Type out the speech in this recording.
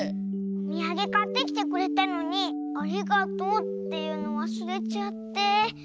おみやげかってきてくれたのに「ありがとう」っていうのわすれちゃって。